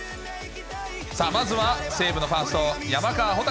まずは、西武のファースト、山川穂高。